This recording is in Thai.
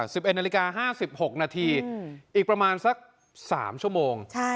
๑๑นาฬิกา๕๖นาทีอีกประมาณสัก๓ชั่วโมง